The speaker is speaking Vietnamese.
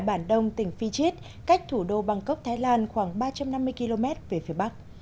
bản đông tỉnh phi chít cách thủ đô bangkok thái lan khoảng ba trăm năm mươi km về phía bắc